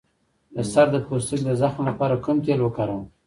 د سر د پوستکي د زخم لپاره کوم تېل وکاروم؟